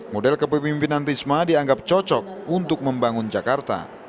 model kepemimpinan risma dianggap cocok untuk membangun jakarta